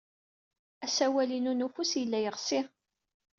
Asawal-inu n ufus yella yeɣsi.